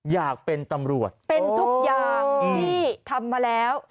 อยากเป็นตำรวจเป็นทุกอย่างที่ทำมาแล้ว